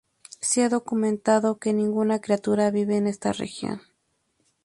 Se ha documentado que ninguna criatura vive en esta región.